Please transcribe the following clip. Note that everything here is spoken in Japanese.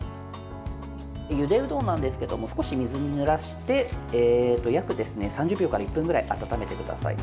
ゆでうどんなんですけど少し水にぬらして約３０秒から１分くらい温めてください。